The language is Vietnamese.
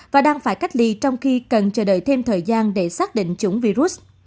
và đang phải cách ly trong khi cần chờ đợi thêm thời gian để xác định chủng virus